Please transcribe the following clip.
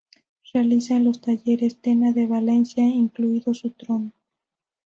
Realizada en los talleres Tena de Valencia, incluido su trono.